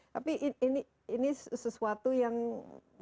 tapi ini sesuatu yang